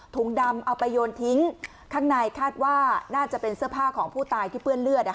ดำเอาไปโยนทิ้งข้างในคาดว่าน่าจะเป็นเสื้อผ้าของผู้ตายที่เปื้อนเลือด